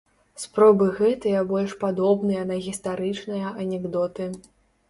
Спробы гэтыя больш падобныя на гістарычныя анекдоты.